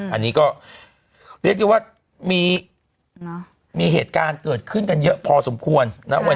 อันนี้ก็เรียกได้ว่ามีเหตุการณ์เกิดขึ้นกันเยอะพอสมควรนะ